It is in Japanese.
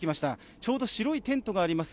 ちょうど白いテントがあります